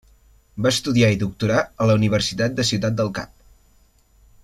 Va estudiar i doctorar a la Universitat de Ciutat del Cap.